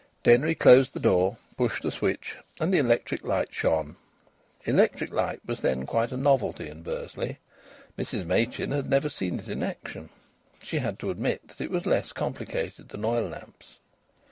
Denry closed the door, pushed a switch, and the electric light shone. Electric light was then quite a novelty in Bursley. Mrs Machin had never seen it in action. She had to admit that it was less complicated than oil lamps.